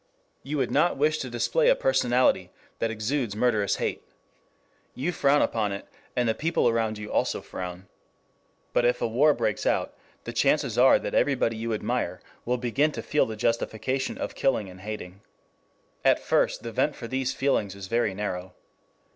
You would not wish to display a personality that exudes murderous hate. You frown upon it, and the people around you also frown. But if a war breaks out, the chances are that everybody you admire will begin to feel the justification of killing and hating. At first the vent for these feelings is very narrow.